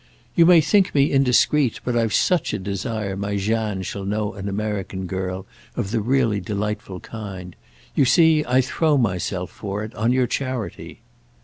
"You may think me indiscreet, but I've such a desire my Jeanne shall know an American girl of the really delightful kind. You see I throw myself for it on your charity."